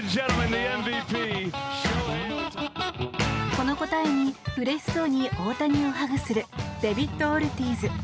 この答えにうれしそうに大谷をハグするデビッド・オルティーズ。